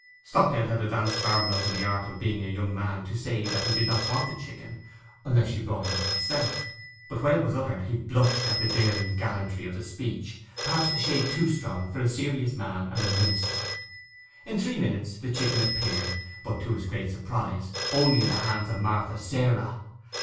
Stockdale had advanced far enough in the art of being a young man to say that he did not want the chicken, unless she brought it up herself; but when it was uttered he blushed at the daring gallantry of the speech, perhaps a shade too strong for a serious man and a minister. In three minutes the chicken appeared, but, to his great surprise, only in the hands of Martha Sarah.